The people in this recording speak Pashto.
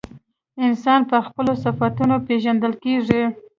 انسان پر خپلو صفتونو پیژندل کیږي.